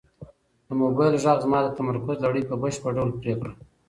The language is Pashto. د موبایل غږ زما د تمرکز لړۍ په بشپړ ډول پرې کړه.